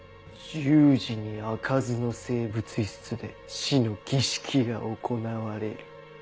「１０時にあかずの生物室で死の儀式が行われる」。